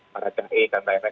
marjah e dan lainnya